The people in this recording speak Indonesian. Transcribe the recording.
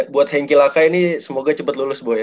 ini buat hengki lakai ini semoga cepet lulus bu ya